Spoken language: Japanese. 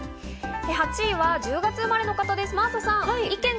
８位は１０月生まれの方です、真麻さん。